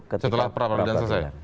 setelah perapatan selesai